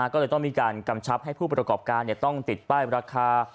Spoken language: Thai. ก็เลยต้องมีการกำชับให้ผู้ประกอบการต้องติดป้ายราคา